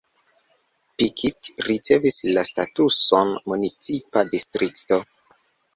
Pikit ricevis la statuson municipa distrikto.